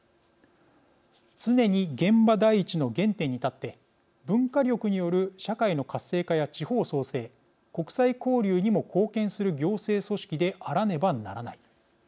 常に現場第一の原点に立って文化力による社会の活性化や地方創生、国際交流にも貢献する行政組織であらねばならない。